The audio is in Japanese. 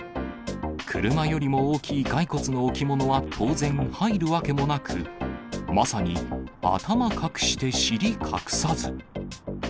車よりも大きい骸骨の置物は当然、入るわけもなく、まさに頭隠して尻隠さず。